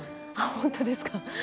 本当ですか。